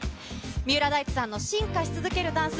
三浦大知さんの進化し続けるダンス。